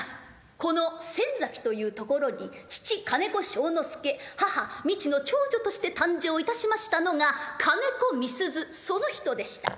この仙崎というところに父金子庄之助母ミチの長女として誕生いたしましたのが金子みすゞその人でした。